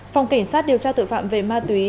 phòng cảnh sát điều tra tội phạm về ma túy